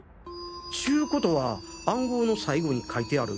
ちゅうコトは暗号の最後に書いてある